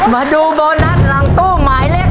มาดูโบนัสหลังตู้หมายเลข๓